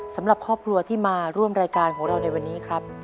สำหรับครอบครัวที่มาร่วมรายการของเราในวันนี้ครับ